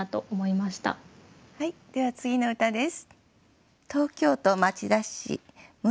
では次の歌です。